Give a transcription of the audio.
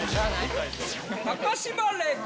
高島礼子。